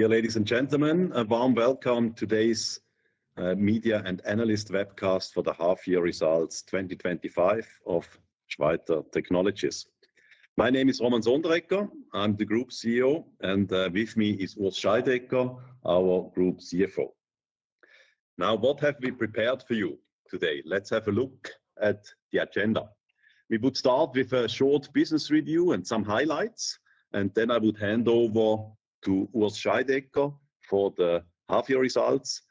Dear ladies and gentlemen, a warm welcome to today's media and analyst webcast for the half-year results 2025 of Schweiter Technologies. My name is Roman Sonderegger, I'm the Group CEO, and with me is Urs Scheidegger, our Group CFO. Now, what have we prepared for you today? Let's have a look at the agenda. We would start with a short business review and some highlights, then I would hand over to Urs Scheidegger for the half-year results.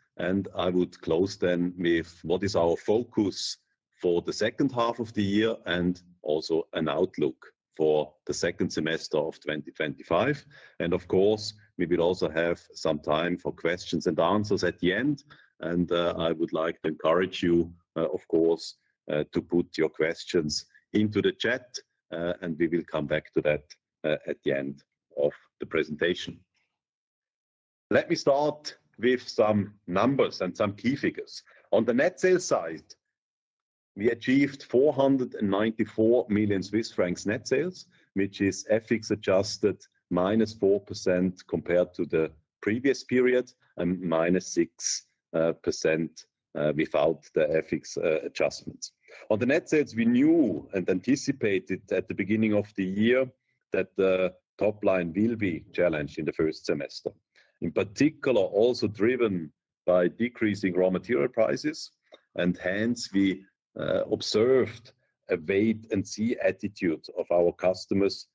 I would close then with what is our focus for the second half of the year and also an outlook for the second semester of 2025. Of course, we will also have some time for questions and answers at the end. I would like to encourage you, of course, to put your questions into the chat, and we will come back to that at the end of the presentation. Let me start with some numbers and some key figures. On the net sales side, we achieved 494 million Swiss francs net sales, which is FX-adjusted minus 4% compared to the previous period and minus 6% without the FX adjustments. On the net sales, we knew and anticipated at the beginning of the year that the top line will be challenged in the first semester, in particular also driven by decreasing raw material prices, and hence we observed a wait-and-see attitude of our customers,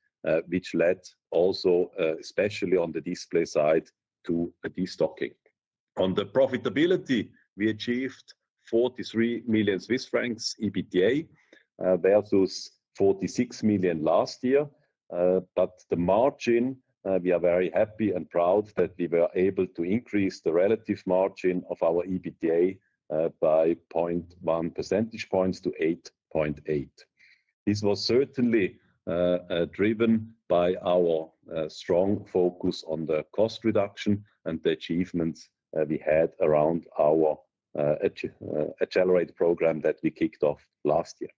which led also, especially on the display side, to a destocking. On the profitability, we achieved 43 million Swiss francs EBITDA versus 46 million last year. The margin, we are very happy and proud that we were able to increase the relative margin of our EBITDA by 0.1 percentage points to 8.8%. This was certainly driven by our strong focus on the cost reduction and the achievements we had around our Accelerate Program that we kicked off last year.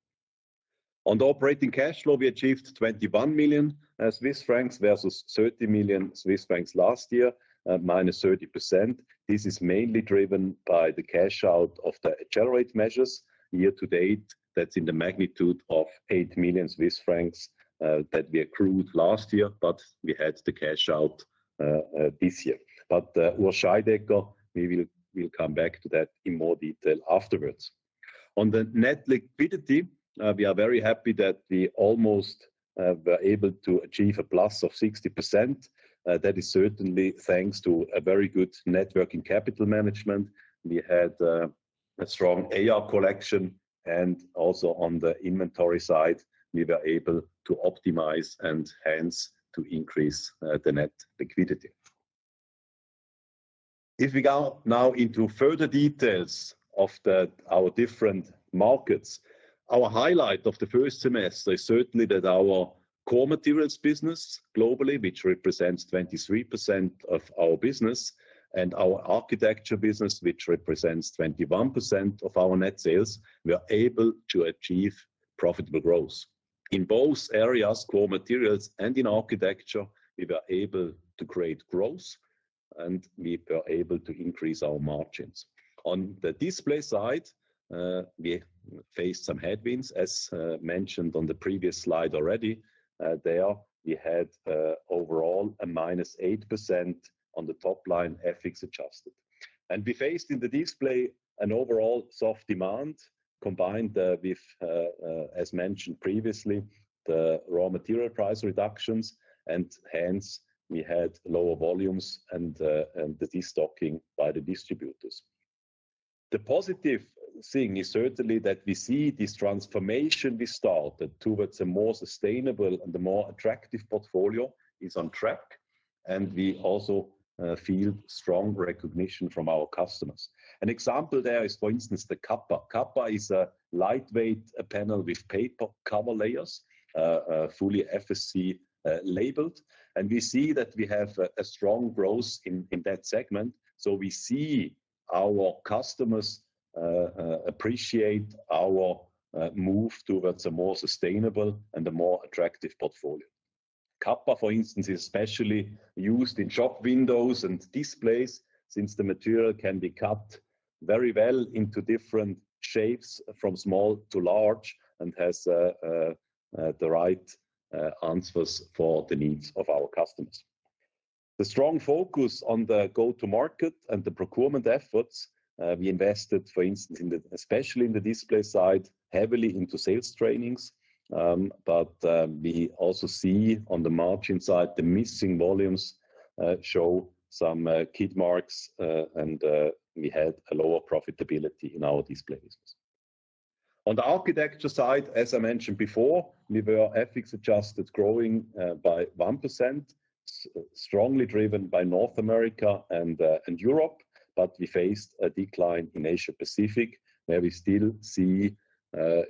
On the operating cash flow, we achieved 21 million Swiss francs versus 30 million Swiss francs last year, minus 30%. This is mainly driven by the cash out of the Accelerate measures. Year to date, that's in the magnitude of 8 million Swiss francs that we accrued last year, but we had the cash out this year. Urs Scheidegger will come back to that in more detail afterwards. On the net liquidity, we are very happy that we almost were able to achieve a plus of 60%. That is certainly thanks to a very good network in capital management. We had a strong AR collection, and also on the inventory side, we were able to optimize and hence to increase the net liquidity. If we go now into further details of our different markets, our highlight of the first semester is certainly that our core materials business globally, which represents 23% of our business, and our architecture business, which represents 21% of our net sales, were able to achieve profitable growth. In both areas, core materials and in architecture, we were able to create growth, and we were able to increase our margins. On the display side, we faced some headwinds, as mentioned on the previous slide already. There, we had overall a minus 8% on the top line FX-adjusted. We faced in the display an overall soft demand, combined with, as mentioned previously, the raw material price reductions, and hence we had lower volumes and the destocking by the distributors. The positive thing is certainly that we see this transformation we started towards a more sustainable and a more attractive portfolio is on track, and we also feel strong recognition from our customers. An example there is, for instance, the Kappa. Kappa is a lightweight panel with paper cover layers, fully FSC labeled, and we see that we have a strong growth in that segment. We see our customers appreciate our move towards a more sustainable and a more attractive portfolio. Kappa, for instance, is especially used in shop windows and displays since the material can be cut very well into different shapes from small to large and has the right answers for the needs of our customers. The strong focus on the go-to-market and the procurement efforts, we invested, for instance, especially in the display side, heavily into sales trainings. We also see on the margin side, the missing volumes show some kit marks, and we had a lower profitability in our displays. On the architecture side, as I mentioned before, we were FX-adjusted growing by 1%, strongly driven by North America and Europe, but we faced a decline in Asia-Pacific, where we still see,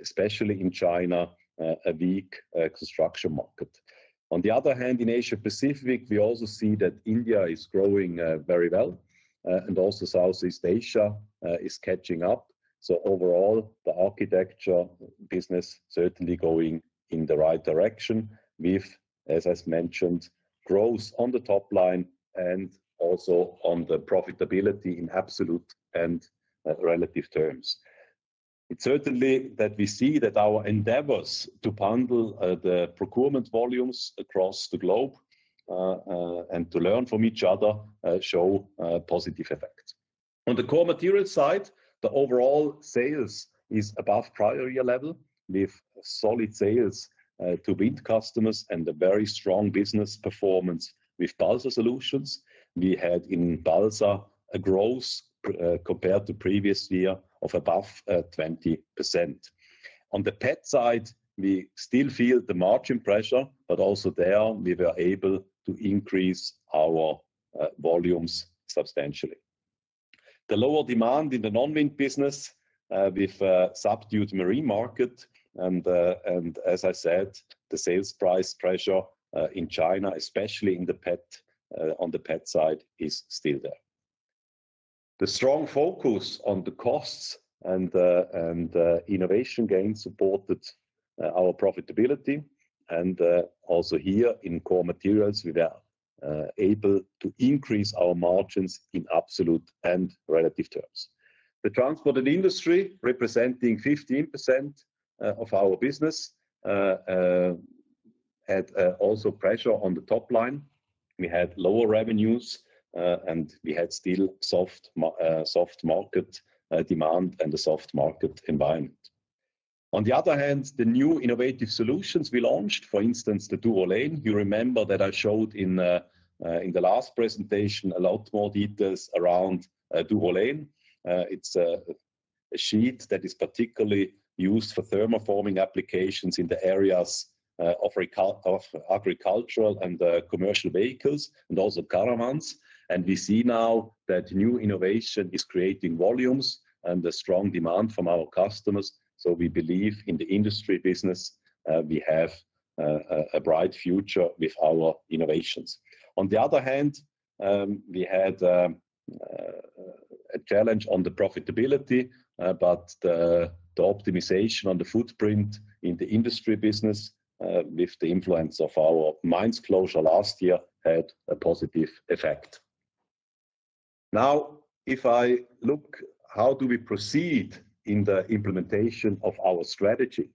especially in China, a weak construction market. On the other hand, in Asia-Pacific, we also see that India is growing very well, and also Southeast Asia is catching up. Overall, the architecture business is certainly going in the right direction with, as I mentioned, growth on the top line and also on the profitability in absolute and relative terms. It is certainly that we see that our endeavors to handle the procurement volumes across the globe and to learn from each other show a positive effect. On the core materials side, the overall sales are above prior year level, with solid sales to wind customers and a very strong business performance with Balsa Solutions. We had in Balsa a growth compared to the previous year of above 20%. On the PET side, we still feel the margin pressure, but also there we were able to increase our volumes substantially. The lower demand in the non-wind business with a subdued marine market, and, as I said, the sales price pressure in China, especially on the PET side, is still there. The strong focus on the costs and innovation gains supported our profitability, and also here in core materials, we were able to increase our margins in absolute and relative terms. The transport industry, representing 15% of our business, had also pressure on the top line. We had lower revenues, and we had still soft market demand and a soft market environment. On the other hand, the new innovative solutions we launched, for instance, the Duolane. You remember that I showed in the last presentation a lot more details around Duolane. It's a sheet that is particularly used for thermoforming applications in the areas of agricultural and commercial vehicles and also caravans. We see now that new innovation is creating volumes and a strong demand from our customers. We believe in the industry business. We have a bright future with our innovations. On the other hand, we had a challenge on the profitability, but the optimization on the footprint in the industry business, with the influence of our mines closure last year, had a positive effect. Now, if I look, how do we proceed in the implementation of our strategy?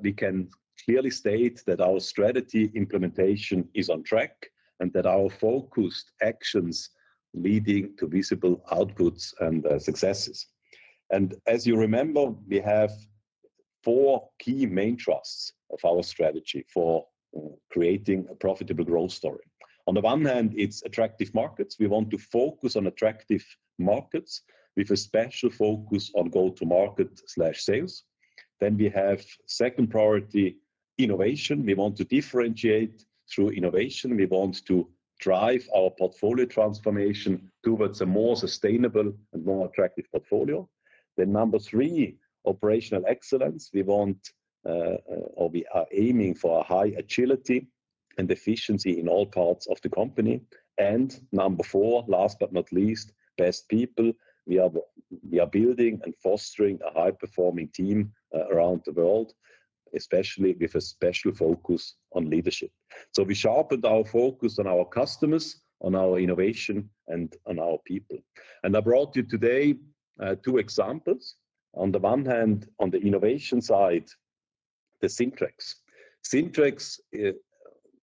We can clearly state that our strategy implementation is on track and that our focused actions lead to visible outputs and successes. As you remember, we have four key main thrusts of our strategy for creating a profitable growth story. On the one hand, it's attractive markets. We want to focus on attractive markets with a special focus on go-to-market/sales. Then we have second priority, innovation. We want to differentiate through innovation. We want to drive our portfolio transformation towards a more sustainable and more attractive portfolio. Then number three, operational excellence. We want, or we are aiming for, a high agility and efficiency in all parts of the company. Number four, last but not least, best people. We are building and fostering a high-performing team around the world, especially with a special focus on leadership. We sharpened our focus on our customers, on our innovation, and on our people. I brought you today two examples. On the one hand, on the innovation side, the Sintrex. Sintrex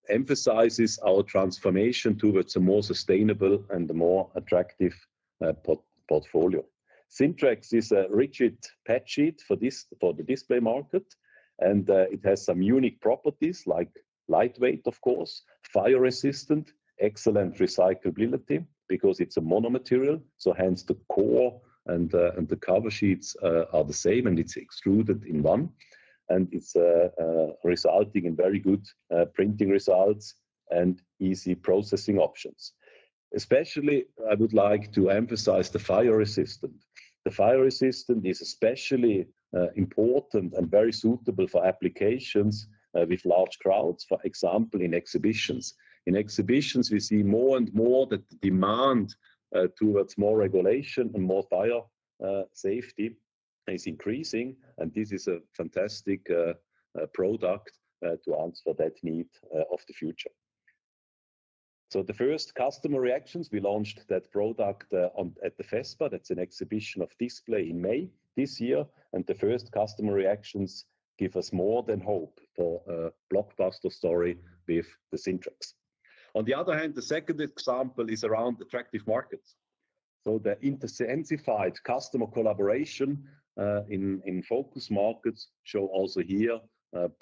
emphasizes our transformation towards a more sustainable and more attractive portfolio. Sintrex is a rigid PET sheet for the display market, and it has some unique properties like lightweight, of course, fire-resistant, excellent recyclability because it's a monomaterial. Hence, the core and the cover sheets are the same, and it's extruded in one. It's resulting in very good printing results and easy processing options. Especially, I would like to emphasize the fire resistant. The fire resistant is especially important and very suitable for applications with large crowds, for example, in exhibitions. In exhibitions, we see more and more that the demand towards more regulation and more fire safety is increasing, and this is a fantastic product to answer that need of the future. The first customer reactions, we launched that product at the FESPA. That's an exhibition of display in May this year, and the first customer reactions give us more than hope, a blockbuster story with the Sintrex. On the other hand, the second example is around attractive markets. The intensified customer collaboration in focus markets shows also here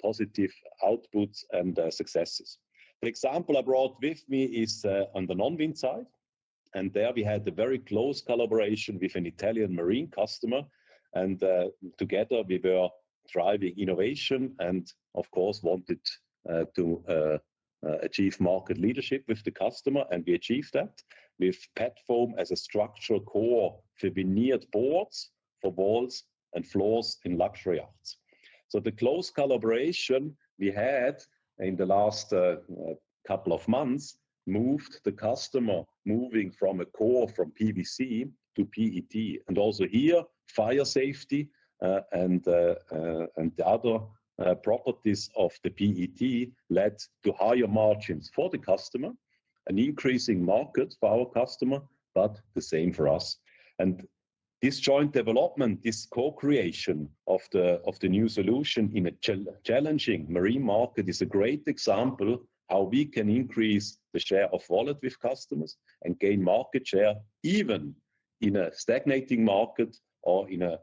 positive outputs and successes. The example I brought with me is on the non-wind side, and there we had a very close collaboration with an Italian marine customer, and together we were driving innovation and, of course, wanted to achieve market leadership with the customer, and we achieved that with PET foam as a structural core to veneered boards for walls and floors in luxury arts. The close collaboration we had in the last couple of months moved the customer moving from a core from PVC to PET, and also here fire safety and the other properties of the PET led to higher margins for the customer, an increasing market for our customer, but the same for us. This joint development, this co-creation of the new solution in a challenging marine market, is a great example of how we can increase the share of wallet with customers and gain market share even in a stagnating market or in an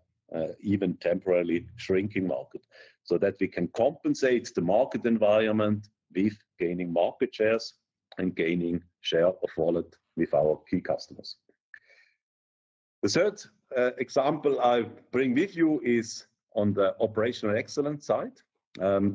even temporarily shrinking market, so that we can compensate the market environment with gaining market shares and gaining share of wallet with our key customers. The third example I bring with you is on the operational excellence side.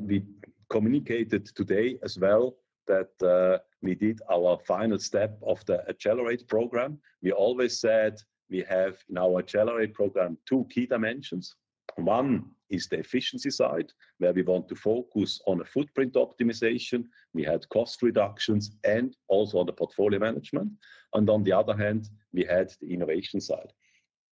We communicated today as well that we did our final step of the Accelerate Program. We always said we have in our Accelerate Program two key dimensions. One is the efficiency side, where we want to focus on a footprint optimization. We had cost reductions and also on the portfolio management. On the other hand, we had the innovation side.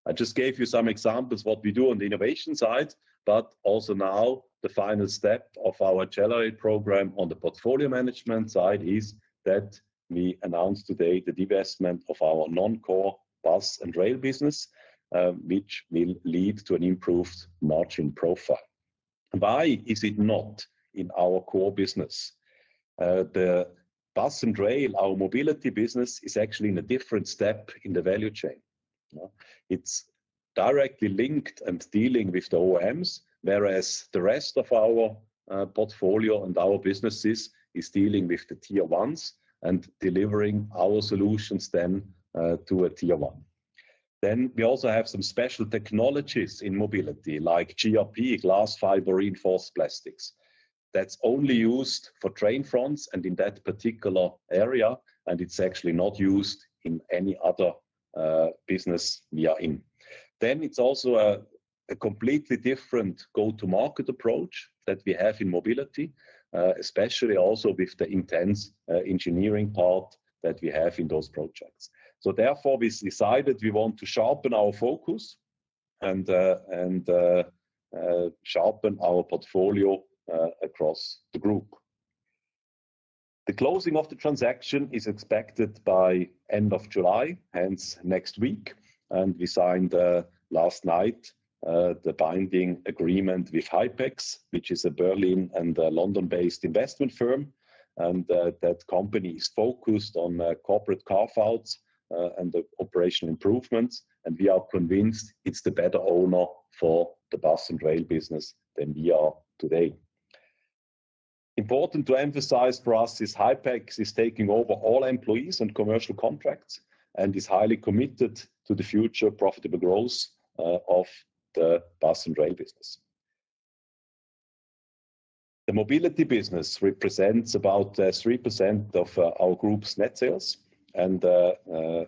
I just gave you some examples of what we do on the innovation side, but also now the final step of our Accelerate Program on the portfolio management side is that we announced today the divestment of our non-core bus and rail business, which will lead to an improved margin profile. Why is it not in our core business? The bus and rail, our mobility business, is actually in a different step in the value chain. It's directly linked and dealing with the OEMs, whereas the rest of our portfolio and our businesses are dealing with the tier ones and delivering our solutions then to a tier one. We also have some special technologies in mobility like GRP, glass fiber reinforced plastics. That's only used for train fronts and in that particular area, and it's actually not used in any other business we are in. It's also a completely different go-to-market approach that we have in mobility, especially also with the intense engineering part that we have in those projects. Therefore, we decided we want to sharpen our focus and sharpen our portfolio across the group. The closing of the transaction is expected by the end of July, hence next week. We signed last night the binding agreement with Hypex, which is a Berlin and London-based investment firm. That company is focused on corporate carve-outs and operational improvements. We are convinced it's the better owner for the bus and rail business than we are today. Important to emphasize for us is Hypex is taking over all employees and commercial contracts and is highly committed to the future profitable growth of the bus and rail business. The mobility business represents about 3% of our group's net sales and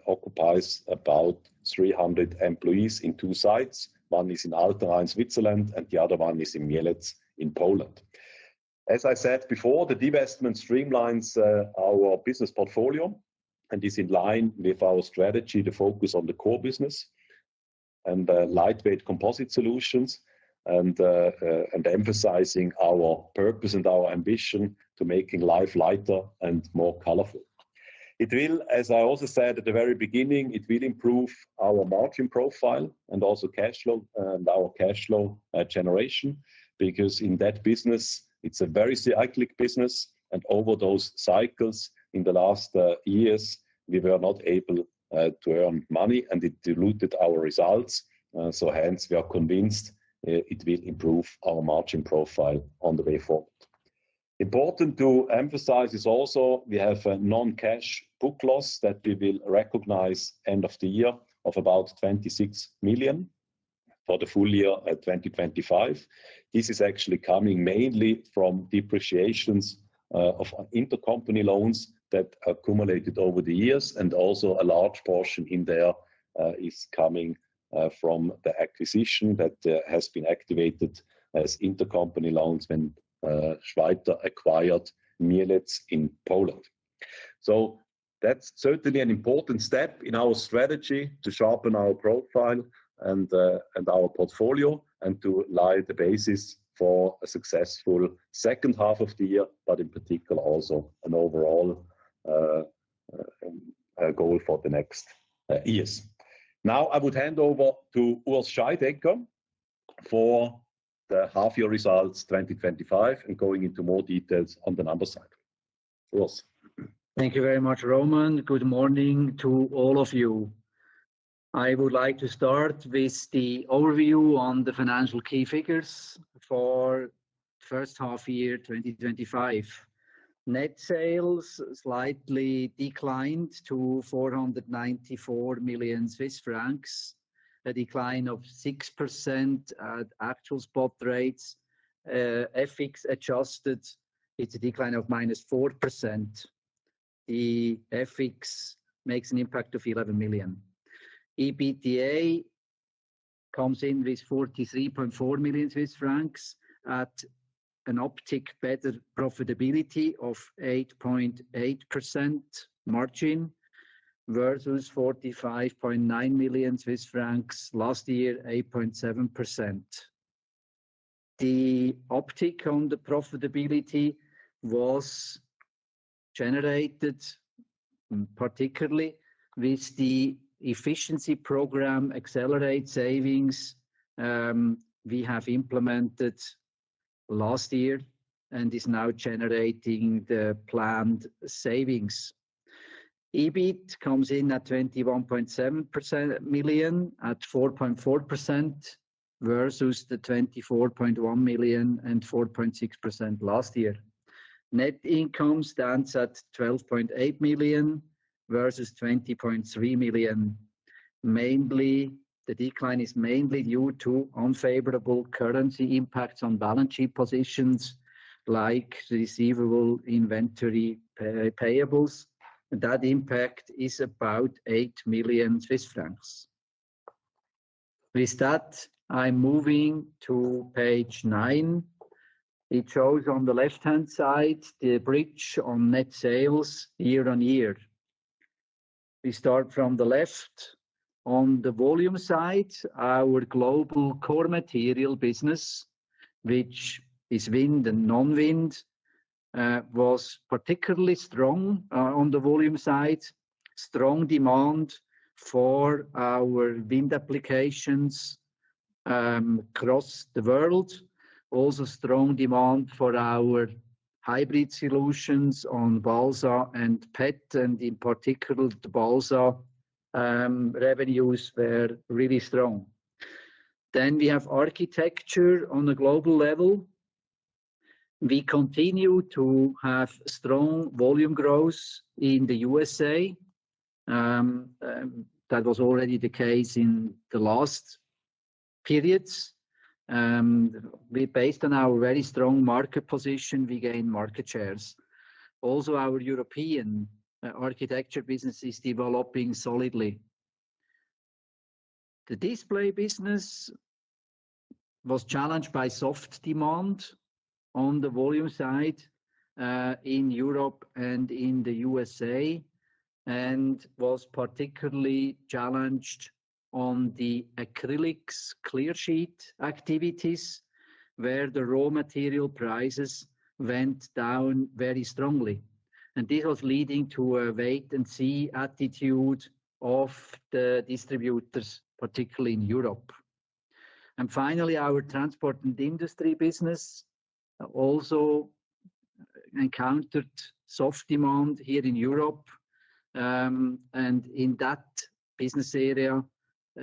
occupies about 300 employees in two sites. One is in Altstätten, Switzerland, and the other one is in Mielec in Poland. As I said before, the divestment streamlines our business portfolio and is in line with our strategy, the focus on the core business and lightweight composite solutions and emphasizing our purpose and our ambition to making life lighter and more colorful. It will, as I also said at the very beginning, improve our margin profile and also cash flow and our cash flow generation because in that business, it's a very cyclic business. Over those cycles in the last years, we were not able to earn money and it diluted our results. Hence, we are convinced it will improve our margin profile on the way forward. Important to emphasize is also we have a non-cash book loss that we will recognize end of the year of about $26 million for the full year of 2025. This is actually coming mainly from depreciations of intercompany loans that accumulated over the years, and also a large portion in there is coming from the acquisition that has been activated as intercompany loans when Schweiter acquired Mielec in Poland. That's certainly an important step in our strategy to sharpen our profile and our portfolio and to lay the basis for a successful second half of the year, in particular also an overall goal for the next years. Now I would hand over to Urs Scheidegger for the half-year results 2025 and going into more details on the number side. Urs. Thank you very much, Roman. Good morning to all of you. I would like to start with the overview on the financial key figures for the first half-year 2025. Net sales slightly declined to 494 million Swiss francs, a decline of 6% at actual spot rates. FX-adjusted, it's a decline of -4%. The FX makes an impact of 11 million. EBITDA comes in with 43.4 million Swiss francs at an optic better profitability of 8.8% margin versus 45.9 million Swiss francs last year, 8.7%. The optic on the profitability was generated particularly with the efficiency program Accelerate savings we have implemented last year and is now generating the planned savings. EBIT comes in at 21.7 million at 4.4% versus the 24.1 million and 4.6% last year. Net income stands at 12.8 million versus 20.3 million. Mainly, the decline is mainly due to unfavorable currency impacts on balance sheet positions like receivable inventory payables. That impact is about 8 million Swiss francs. With that, I'm moving to page nine. It shows on the left-hand side the bridge on net sales year on year. We start from the left. On the volume side, our global core material business, which is wind and non-wind, was particularly strong on the volume side. Strong demand for our wind applications across the world. Also, strong demand for our hybrid solutions on balsa and PET, and in particular, the balsa revenues were really strong. We have architecture on a global level. We continue to have strong volume growth in the U.S.A.. That was already the case in the last periods. Based on our very strong market position, we gained market shares. Our European architecture business is developing solidly. The display business was challenged by soft demand on the volume side in Europe and in the U.S.A. and was particularly challenged on the acrylics clear sheet activities where the raw material prices went down very strongly. This was leading to a wait-and-see attitude of the distributors, particularly in Europe. Finally, our transport and industry business also encountered soft demand here in Europe. In that business area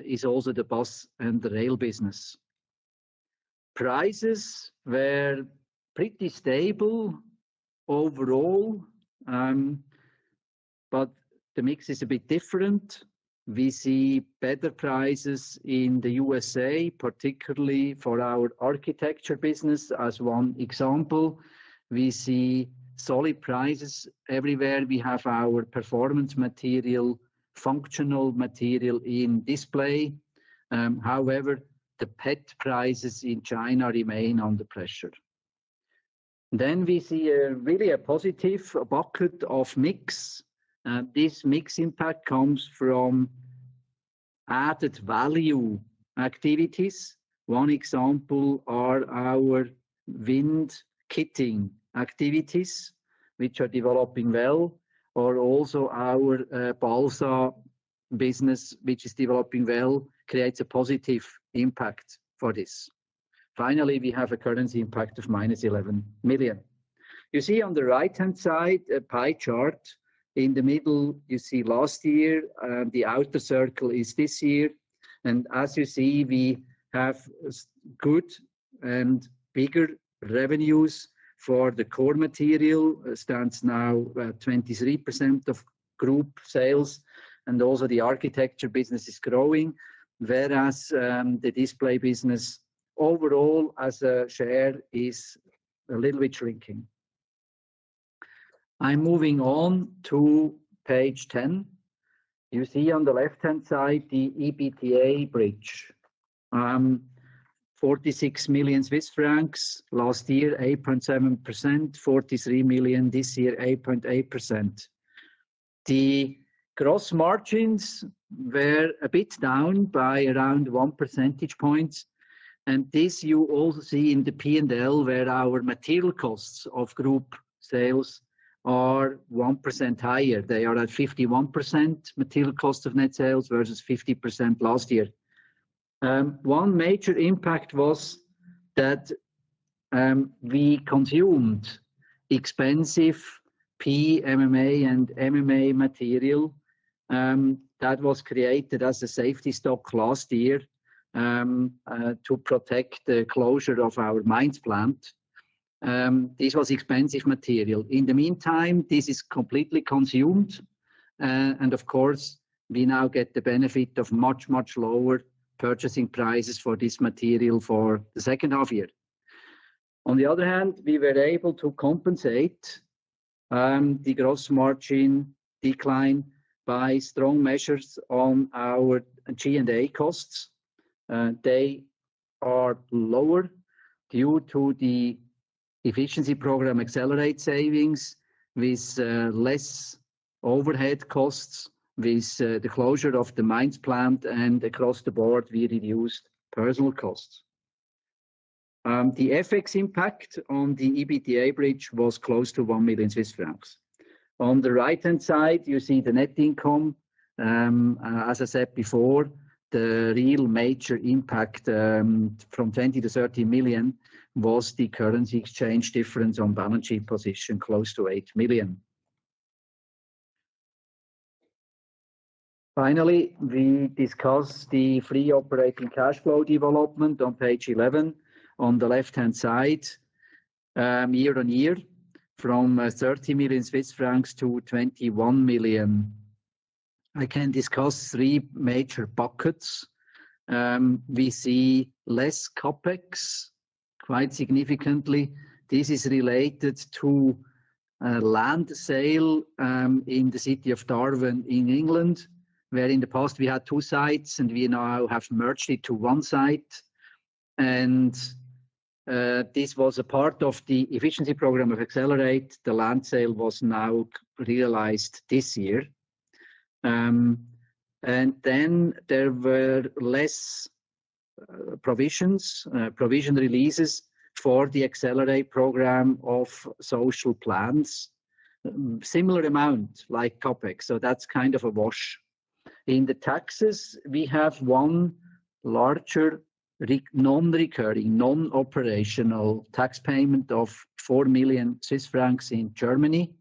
is also the bus and rail business. Prices were pretty stable overall, but the mix is a bit different. We see better prices in the U.S.A., particularly for our architecture business as one example. We see solid prices everywhere. We have our performance material, functional material in display. However, the PET prices in China remain under pressure. We see really a positive bucket of mix. This mix impact comes from added value activities. One example is our wind kitting activities, which are developing well, or also our Balsa business, which is developing well and creates a positive impact for this. Finally, we have a currency impact of minus 11 million. You see on the right-hand side a pie chart. In the middle, you see last year; the outer circle is this year. As you see, we have good and bigger revenues for the core material. It stands now at 23% of group sales. Also, the architecture business is growing, whereas the display business overall as a share is a little bit shrinking. I'm moving on to page 10. You see on the left-hand side the EBITDA bridge. 46 million Swiss francs last year, 8.7%, 43 million this year, 8.8%. The gross margins were a bit down by around 1 percentage point. This you all see in the P&L where our material costs of group sales are 1% higher. They are at 51% material cost of net sales versus 50% last year. One major impact was that we consumed expensive PMMA and MMA material that was created as a safety stock last year to protect the closure of our Mines plant. This was expensive material. In the meantime, this is completely consumed. Of course, we now get the benefit of much, much lower purchasing prices for this material for the second half year. On the other hand, we were able to compensate the gross margin decline by strong measures on our G&A costs. They are lower due to the efficiency program Accelerate savings with less overhead costs with the closure of the Mines plant, and across the board, we reduced personnel costs. The FX impact on the EBITDA bridge was close to 1 million Swiss francs. On the right-hand side, you see the net income. As I said before, the real major impact from 20 million to 30 million was the currency exchange difference on balance sheet position close to 8 million. Finally, we discuss the free operating cash flow development on page 11. On the left-hand side, year on year, from 30 million Swiss francs to 21 million. I can discuss three major buckets. We see less CapEx quite significantly. This is related to a land sale in the city of Darwen, England, where in the past we had two sites and we now have merged it to one site. This was a part of the efficiency program of Accelerate. The land sale was now realized this year. There were less provisions, provision releases for the Accelerate Program of social plans. A similar amount like CapEx. That's kind of a wash. In the taxes, we have one larger non-recurring, non-operational tax payment of 4 million Swiss francs in Germany.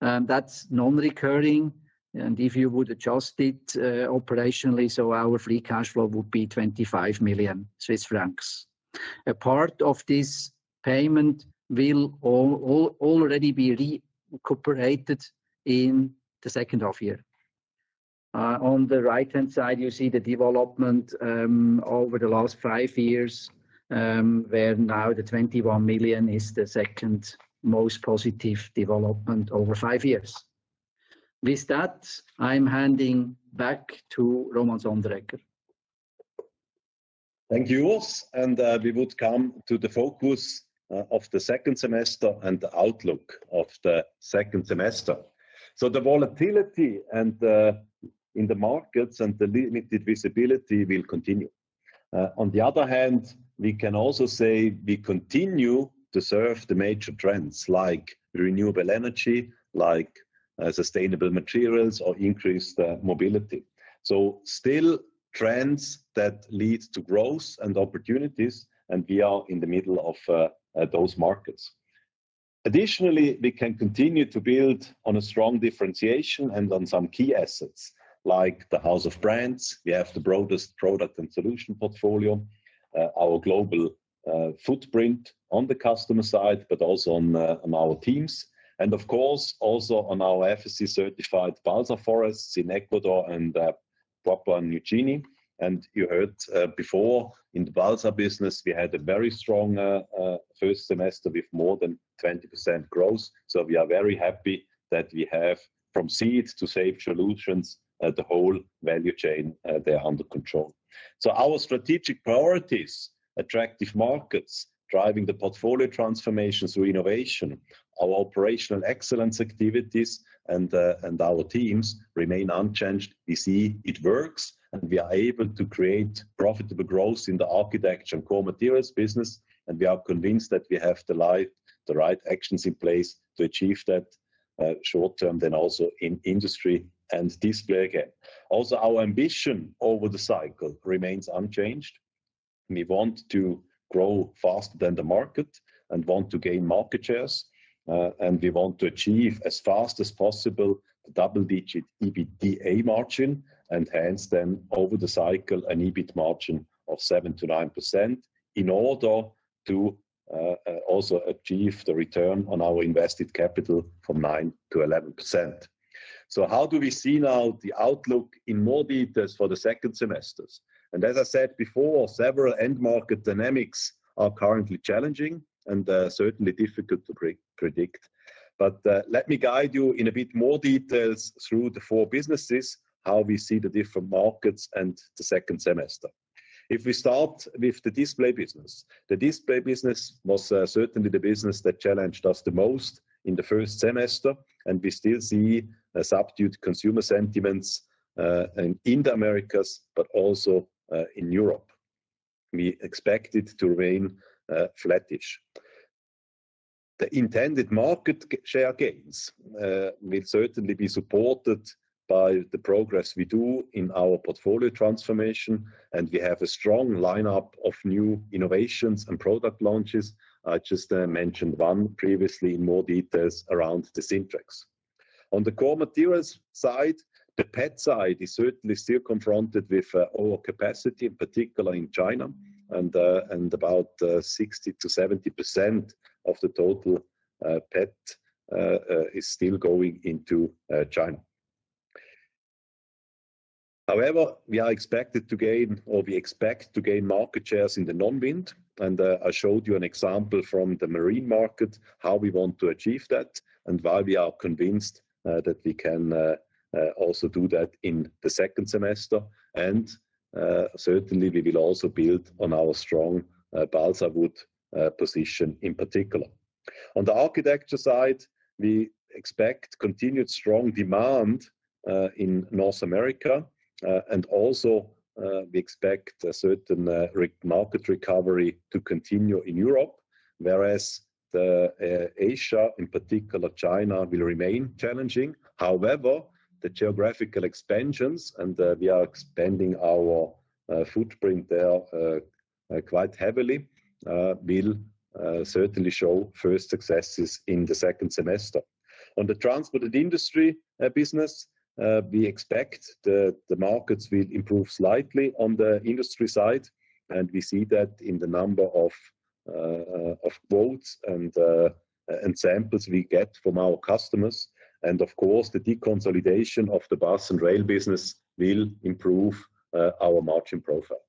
That's non-recurring. If you would adjust it operationally, our free cash flow would be 25 million Swiss francs. A part of this payment will already be recuperated in the second half year. On the right-hand side, you see the development over the last five years, where now the 21 million is the second most positive development over five years. With that, I'm handing back to Roman Sonderegger. Thank you, Urs. We would come to the focus of the second semester and the outlook of the second semester. The volatility in the markets and the limited visibility will continue. On the other hand, we can also say we continue to serve the major trends like renewable energy, like sustainable materials, or increased mobility. Still, trends that lead to growth and opportunities, and we are in the middle of those markets. Additionally, we can continue to build on a strong differentiation and on some key assets like the house of brands. We have the broadest product and solution portfolio, our global footprint on the customer side, but also on our teams, and of course, also on our FSC-certified balsa forests in Ecuador and Papua New Guinea. You heard before in the balsa business, we had a very strong first semester with more than 20% growth. We are very happy that we have from seeds to safe solutions, the whole value chain there under control. Our strategic priorities, attractive markets, driving the portfolio transformation through innovation, our operational excellence activities, and our teams remain unchanged. We see it works, and we are able to create profitable growth in the architecture and core materials business. We are convinced that we have the right actions in place to achieve that short term, then also in industry and display again. Also, our ambition over the cycle remains unchanged. We want to grow faster than the market and want to gain market shares. We want to achieve as fast as possible a double-digit EBITDA margin, and hence then over the cycle, an EBIT margin of 7 to 9% in order to also achieve the return on our invested capital from 9 to 11%. How do we see now the outlook in more details for the second semester? As I said before, several end market dynamics are currently challenging and certainly difficult to predict. Let me guide you in a bit more details through the four businesses, how we see the different markets and the second semester. If we start with the display business, the display business was certainly the business that challenged us the most in the first semester. We still see subdued consumer sentiments in the Americas, but also in Europe. We expect it to remain flattish. The intended market share gains will certainly be supported by the progress we do in our portfolio transformation. We have a strong lineup of new innovations and product launches. I just mentioned one previously in more details around the Sintrex. On the core materials side, the PET side is certainly still confronted with overcapacity, in particular in China. About 60% to 70% of the total PET is still going into China. However, we are expected to gain, or we expect to gain, market shares in the non-wind. I showed you an example from the marine market, how we want to achieve that and why we are convinced that we can also do that in the second semester. We will also build on our strong balsa wood position in particular. On the architecture side, we expect continued strong demand in North America. We expect a certain market recovery to continue in Europe, whereas Asia, in particular China, will remain challenging. The geographical expansions, and we are expanding our footprint there quite heavily, will certainly show first successes in the second semester. On the transport and industry business, we expect the markets will improve slightly on the industry side. We see that in the number of quotes and samples we get from our customers. The de-consolidation of the bus and rail business will improve our margin profile.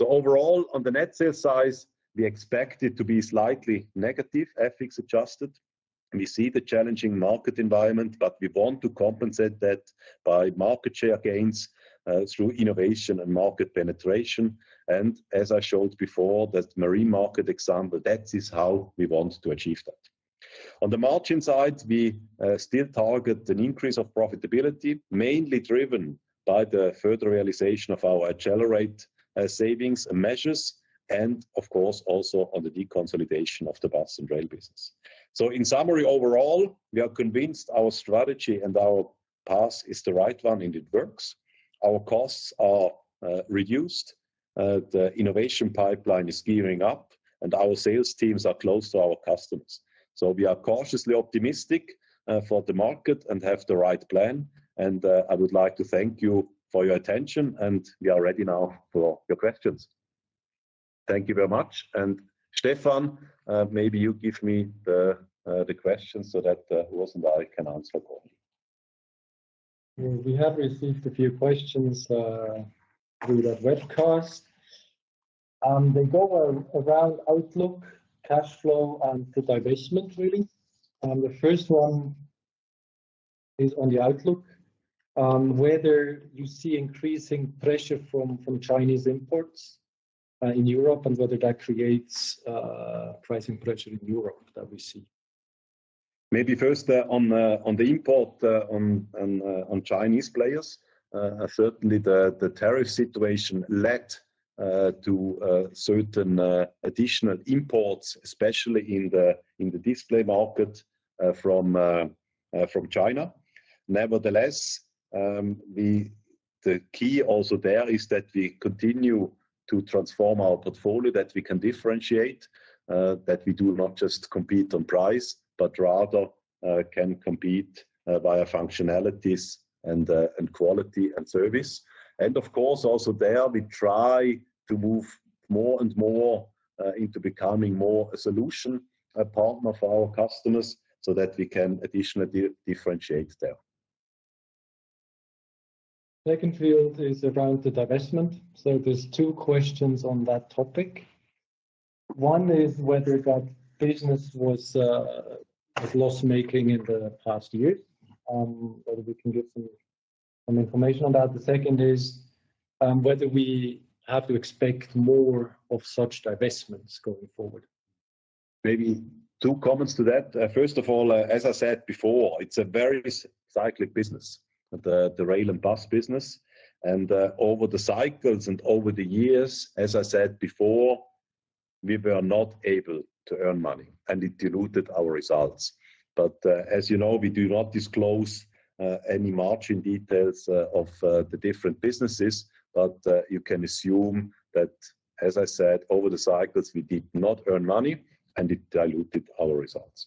Overall, on the net sales side, we expect it to be slightly negative, FX-adjusted. We see the challenging market environment, but we want to compensate that by market share gains through innovation and market penetration. As I showed before, that marine market example, that is how we want to achieve that. On the margin side, we still target an increase of profitability, mainly driven by the further realization of our Accelerate savings and measures, and also on the de-consolidation of the bus and rail business. In summary, overall, we are convinced our strategy and our path is the right one and it works. Our costs are reduced. The innovation pipeline is gearing up, and our sales teams are close to our customers. We are cautiously optimistic for the market and have the right plan. I would like to thank you for your attention, and we are ready now for your questions. Thank you very much. Stephan, maybe you give me the questions so that Urs and I can answer accordingly. We have received a few questions through that webcast. They go around outlook, cash flow, and the divestment, really. The first one is on the outlook, whether you see increasing pressure from Chinese imports in Europe and whether that creates pricing pressure in Europe that we see. Maybe first on the import on Chinese players. Certainly, the tariff situation led to certain additional imports, especially in the display market from China. Nevertheless, the key also there is that we continue to transform our portfolio so that we can differentiate, that we do not just compete on price, but rather can compete via functionalities, quality, and service. Of course, also there, we try to move more and more into becoming more a solution, a partner for our customers so that we can additionally differentiate there. second field is around the divestment. There are two questions on that topic. One is whether that business was loss making in the past year, whether we can get some information on that. The second is whether we have to expect more of such divestments going forward. Maybe two comments to that. First of all, as I said before, it's a very cyclic business, the rail and bus business. Over the cycles and over the years, as I said before, we were not able to earn money, and it diluted our results. As you know, we do not disclose any margin details of the different businesses, but you can assume that, as I said, over the cycles, we did not earn money, and it diluted our results.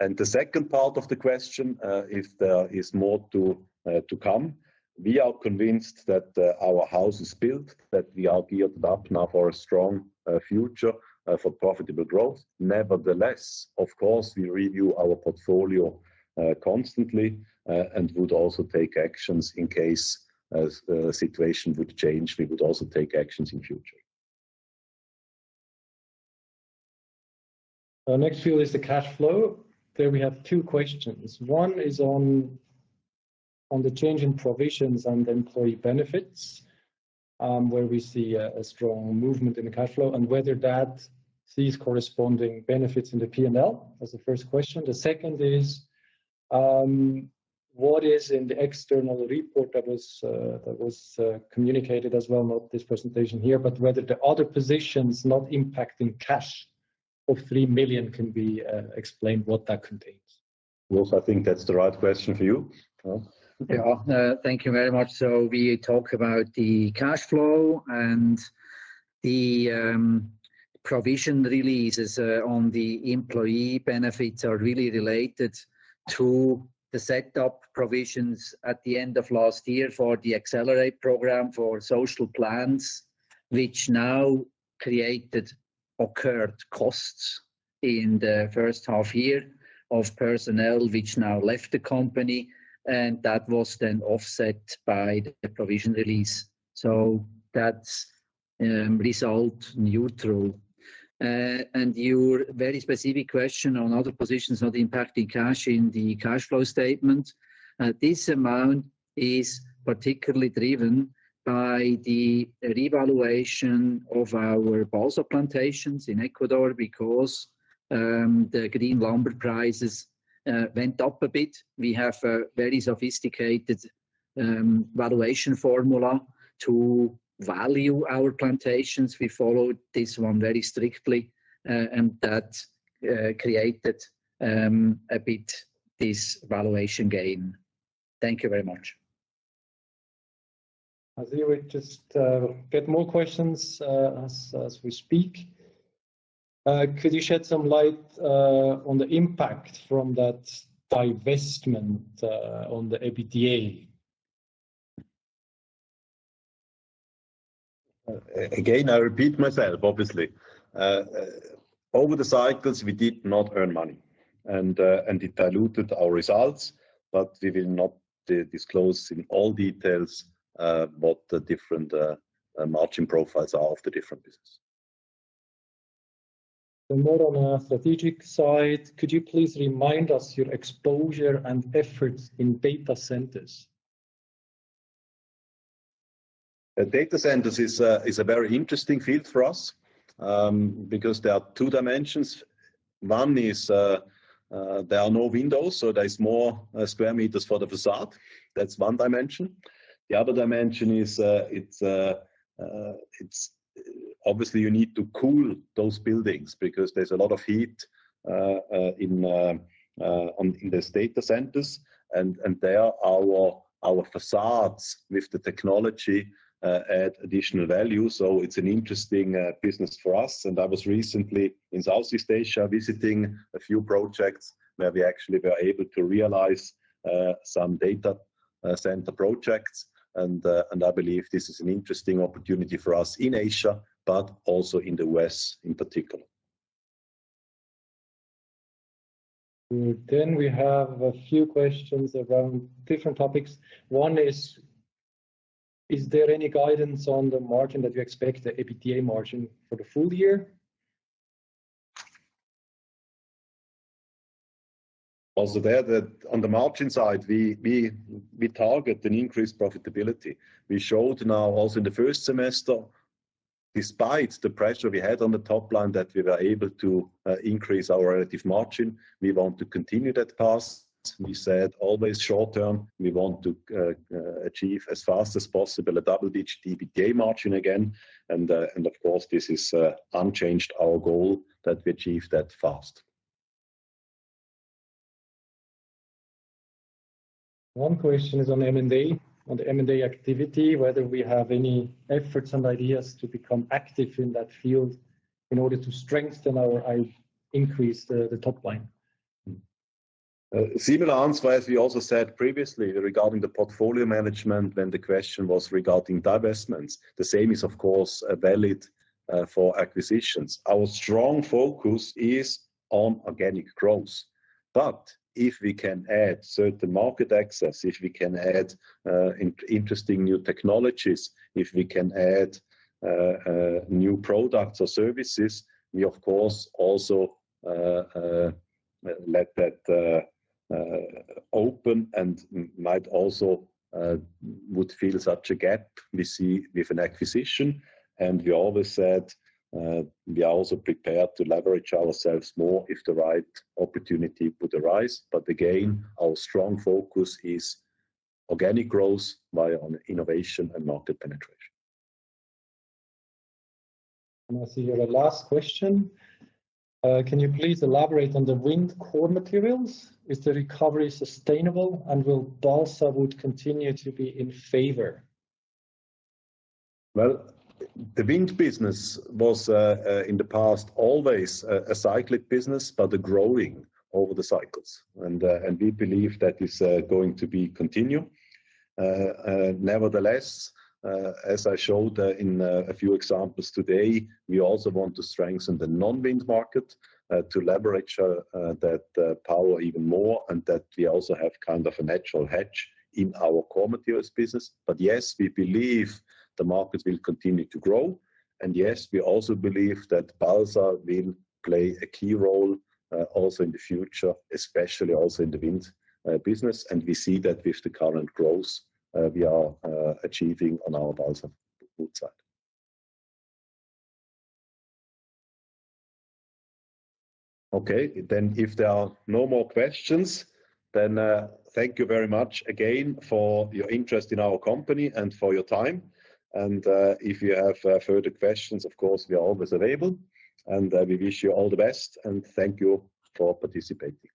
The second part of the question, if there is more to come, we are convinced that our house is built, that we are geared up now for a strong future for profitable growth. Nevertheless, of course, we review our portfolio constantly and would also take actions in case the situation would change. We would also take actions in the future. Our next field is the cash flow. There we have two questions. One is on the change in provisions and employee benefits, where we see a strong movement in the cash flow and whether that sees corresponding benefits in the P and L as the first question. The second is what is in the external report that was communicated as well, not this presentation here, but whether the other positions not impacting cash of 3 million can be explained, what that contains? Urs, I think that's the right question for you. Yeah, thank you very much. We talk about the cash flow and the provision releases on the employee benefits are really related to the setup provisions at the end of last year for the Accelerate Program for social plans, which now created occurred costs in the first half year of personnel which now left the company, and that was then offset by the provision release. That's result neutral. Your very specific question on other positions not impacting cash in the cash flow statement, this amount is particularly driven by the revaluation of our balsa plantations in Ecuador because the green lumber prices went up a bit. We have a very sophisticated valuation formula to value our plantations. We followed this one very strictly, and that created a bit this valuation gain. Thank you very much. I think we'll just get more questions as we speak. Could you shed some light on the impact from that divestment on the EBITDA? Again, I repeat myself, obviously. Over the cycles, we did not earn money, and it diluted our results, but we will not disclose in all details what the different margin profiles are of the different businesses. On our strategic side, could you please remind us your exposure and efforts in data centers? Data centers is a very interesting field for us because there are two dimensions. One is there are no windows, so there's more square meters for the facade. That's one dimension. The other dimension is obviously you need to cool those buildings because there's a lot of heat in the data centers, and there our facades with the technology add additional value. It's an interesting business for us. I was recently in Southeast Asia visiting a few projects where we actually were able to realize some data center projects, and I believe this is an interesting opportunity for us in Asia, but also in the U.S. in particular. We have a few questions around different topics. One is, is there any guidance on the margin that you expect the EBITDA margin for the full year? Also there, that on the margin side, we target an increased profitability. We showed now also in the first semester, despite the pressure we had on the top line, that we were able to increase our relative margin. We want to continue that path. We said always short term, we want to achieve as fast as possible a double-digit EBITDA margin again. Of course, this is unchanged our goal that we achieve that fast. One question is on M&A, on M&A activity, whether we have any efforts and ideas to become active in that field in order to strengthen or increase the top line. Similar answer as we also said previously regarding the portfolio management when the question was regarding divestments. The same is of course valid for acquisitions. Our strong focus is on organic growth. If we can add certain market access, if we can add interesting new technologies, if we can add new products or services, we of course also let that open and might also fill such a gap we see with an acquisition. We always said we are also prepared to leverage ourselves more if the right opportunity would arise. Again, our strong focus is organic growth via innovation and market penetration. I see your last question. Can you please elaborate on the wind core materials? Is the recovery sustainable, and will balsa wood continue to be in favor? The wind business was in the past always a cyclic business, but growing over the cycles. We believe that is going to continue. Nevertheless, as I showed in a few examples today, we also want to strengthen the non-wind market to leverage that power even more and that we also have kind of a natural hedge in our core materials business. Yes, we believe the market will continue to grow. Yes, we also believe that Balsa will play a key role also in the future, especially also in the wind business. We see that with the current growth we are achieving on our balsa wood side. If there are no more questions, thank you very much again for your interest in our company and for your time. If you have further questions, of course, we are always available. We wish you all the best and thank you for participating.